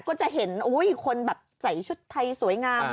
ก็จะเห็นคนแบบใส่ชุดไทยสวยงาม